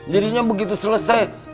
jadinya begitu selesai